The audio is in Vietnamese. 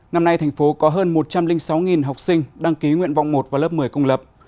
năm nay thành phố có hơn một trăm linh sáu học sinh đăng ký nguyện vọng một và lớp một mươi công lập